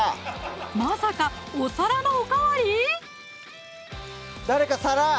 まさかお皿のおかわり？